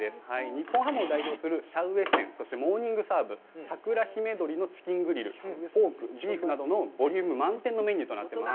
日本ハムを代表するシャウエッセン、モーニングサーブ、桜姫鶏のチキングリル、ポーク、ビーフなどのボリューム満点のメニューとなっております。